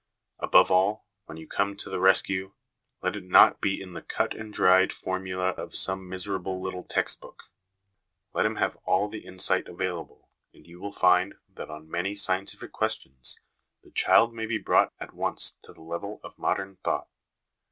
Above all, when you come to the rescue, let it not be in the ' cut and dried ' formula of some miserable little text book; let him have all the insight available, LESSONS AS INSTRUMENTS OF EDUCATION 265 and you will find that on many scientific questions the child may be brought at once to the level of modern thought.